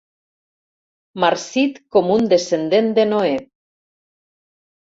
Marcit com un descendent de Noé.